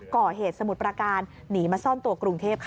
สมุทรประการหนีมาซ่อนตัวกรุงเทพค่ะ